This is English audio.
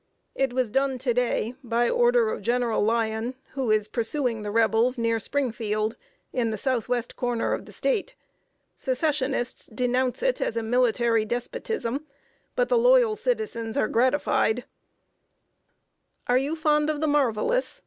It was done to day, by order of General Lyon, who is pursuing the Rebels near Springfield, in the southwest corner of the State. Secessionists denounce it as a military despotism, but the loyal citizens are gratified. [Sidenote: CAMP TALES OF THE MARVELOUS.] Are you fond of the marvelous?